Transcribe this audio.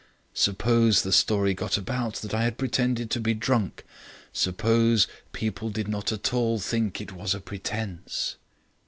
Suppose the story got about that I had pretended to be drunk. Suppose people did not all think it was pretence!